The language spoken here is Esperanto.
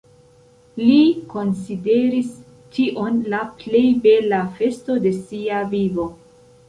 Li konsideris tion la plej bela festo de sia vivo.